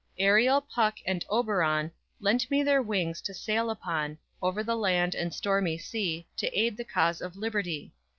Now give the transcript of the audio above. _Ariel, Puck and Oberon Lent me their wings to sail upon Over the land and stormy sea To aid the cause of Liberty.